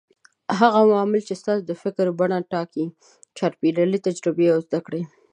هغه عوامل چې ستاسې د فکر بڼه ټاکي: چاپېريال، تجربې او زده کړې.